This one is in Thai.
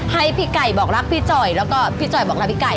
ให้พี่ไก่บอกรักพี่จ่อยแล้วก็พี่จ่อยบอกรักพี่ไก่